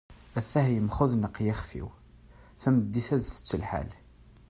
at-ah yemxudneq yixef-iw, tameddit ad tett lḥal